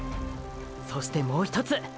そしてもうひとつ！！